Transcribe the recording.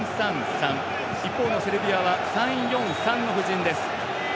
一方のセルビアは３−４−３の布陣です。